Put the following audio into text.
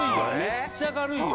めっちゃ軽いよ